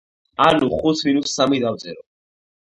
ანუ, ხუთს მინუს სამი დავწერო.